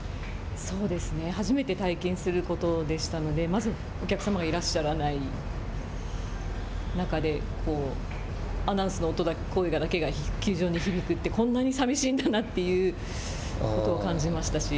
そうですね初めて体験することでしたのでまず、お客様がいらっしゃらない中でアナウンスの声だけが球場に響くってこんなに寂しいんだなということを感じましたし。